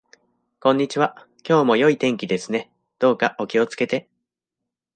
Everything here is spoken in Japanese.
こんにちは。今日も良い天気ですね。どうかお気をつけて。